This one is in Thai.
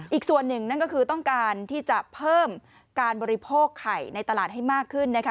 อีกส่วนหนึ่งนั่นก็คือต้องการที่จะเพิ่มการบริโภคไข่ในตลาดให้มากขึ้นนะคะ